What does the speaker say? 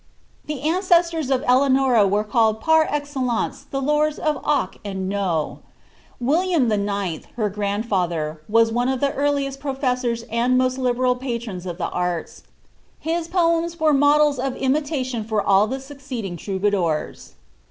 The ancestors of Eleanora were called par excellence the lords of ^Oc" and ^^JVb.'' Wil liam IX., her grandfather, was one of the earliest professors and most liberal patrons of the art His poems were models of imitation for all the succeeding troubadours.'